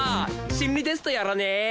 心理テストやらねえ？